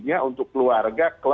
hanya untuk keluarga